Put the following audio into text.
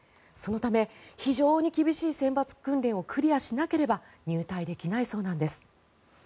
そのため、非常に厳しい選抜訓練をクリアしなければ入隊できないそうなんです。